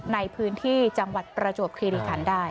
ในพื้นที่จังหวัดประโจทย์คลียริการได้